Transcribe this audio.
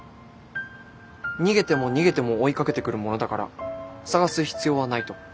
逃げても逃げても追いかけてくるものだから探す必要はないと。